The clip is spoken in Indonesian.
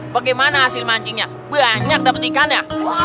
bagaimana hasil mancingnya banyak dapat ikan ya